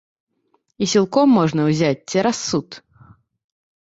І сілком можна ўзяць, цераз суд.